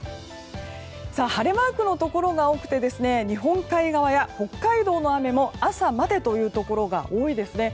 晴れマークのところが多くて日本海側や北海道の雨も朝までというところが多いですね。